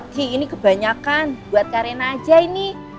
kiki ini kebanyakan buat kak reina aja ini